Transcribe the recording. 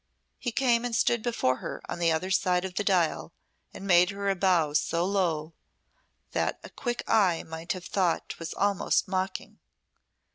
He came and stood before her on the other side of the dial, and made her a bow so low that a quick eye might have thought 'twas almost mocking.